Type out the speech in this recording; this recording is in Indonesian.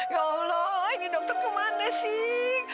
ya allah ingin dokter kemana sih